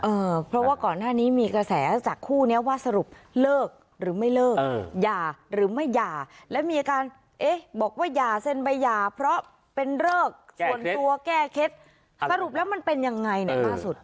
เออเพราะว่าก่อนหน้านี้มีกระแสจากคู่นี้ว่าสรุปเลิกหรือไม่เลิกหย่าหรือไม่หย่าและมีอาการเอ๊ะบอกว่าอย่าเซ็นใบหย่าเพราะเป็นเลิกส่วนตัวแก้เคล็ดสรุปแล้วมันเป็นยังไงเนี่ยล่าสุด